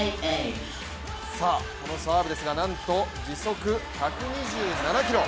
さあ、このサーブですがなんと時速１２７キロ。